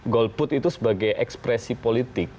go put itu sebagai ekspresi politik